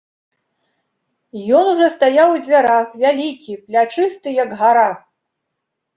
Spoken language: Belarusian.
Ён ужо стаяў у дзвярах, вялікі, плячысты, як гара.